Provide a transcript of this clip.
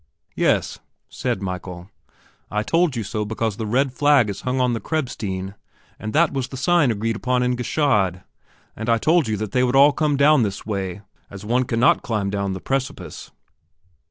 "Yes," said Michael, "I told you so because the red flag is hung out on the Krebsstein, and this was the sign agreed upon in Gschaid. And I told you that they all would come down this way, as one cannot climb down the precipice."